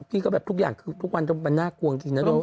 พี่ก็แบบทุกอย่างคือทุกวันมันน่ากลัวจริงนะน้อง